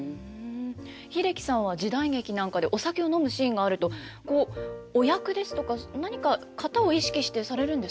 英樹さんは時代劇なんかでお酒を飲むシーンがあるとこうお役ですとか何か型を意識してされるんですか？